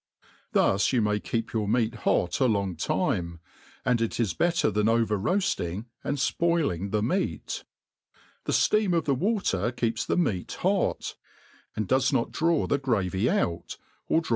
Thus yoii m^ kc€p yOur meat hot a long time, and it is better than over roaftihg and fpoif MADE PLAIN AND EAST. 19 ing the meat. The fteam of^the water keepi the meat hot, and does not draw the gravy out, or dra!